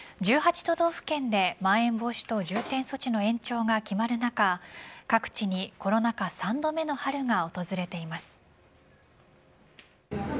都道府県でまん延防止等重点措置の延長が決まる中各地にコロナ禍３度目の春が訪れています。